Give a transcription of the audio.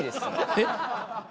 えっ？